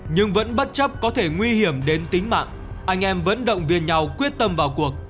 nhưng vẫn bất chấp có thể nguy hiểm đến tính mạng anh em vẫn động viên nhau quyết tâm vào cuộc